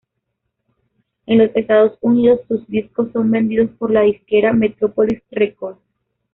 En los Estados Unidos, sus discos son vendidos por la disquera Metropolis Records.